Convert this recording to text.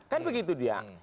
kan begitu dia